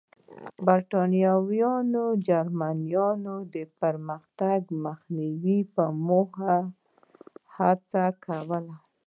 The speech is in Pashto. برېټانویانو د جرمنییانو د پرمختګ مخنیوي په موخه هڅه کوله.